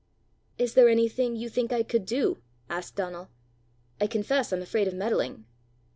"Is there anything you think I could do?" asked Donal. "I confess I'm afraid of meddling."